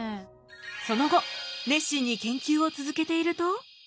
その後熱心に研究を続けていると。